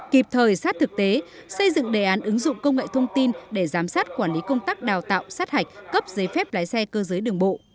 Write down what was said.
kịp thời sát thực tế xây dựng đề án ứng dụng công nghệ thông tin để giám sát quản lý công tác đào tạo sát hạch cấp giấy phép lái xe cơ giới đường bộ